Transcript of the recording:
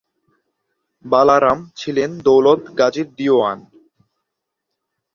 বালা রাম ছিলেন দৌলত গাজীর দিওয়ান।